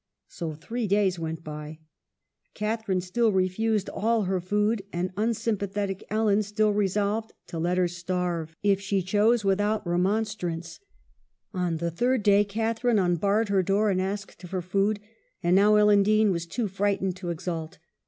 So three days went by. Catharine still re fused all her food, and unsympathetic Ellen still resolved to let her starve, if she chose, without a 254 EMILY BRONTE. remonstrance. On the third day Catharine un barred her door and asked for food ; and now Ellen Dean was too frightened to exult.